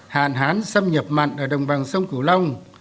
hạn hán xâm nhập mặn ở đồng bằng sông cửu long